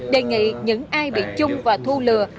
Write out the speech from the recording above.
đề nghị những ai bị chung và thu lừa